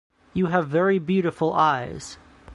You have very beautiful eyes.